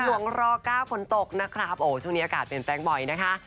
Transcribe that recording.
หลวงรอก้าฝนตกนะครับโอ้โหช่วงนี้อากาศเป็นแฟลงค์บอยนะคะ